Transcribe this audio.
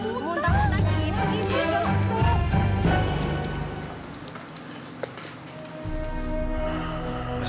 bunting lagi ibu minta bantuan